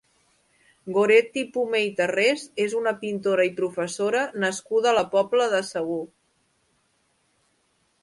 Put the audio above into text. Goretti Pomé i Tarrés és una pintora i professora nascuda a la Pobla de Segur.